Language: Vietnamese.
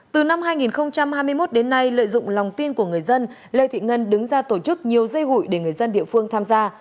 từ năm hai nghìn hai mươi một đến nay lợi dụng lòng tin của người dân lê thị ngân đứng ra tổ chức nhiều dây hụi để người dân địa phương tham gia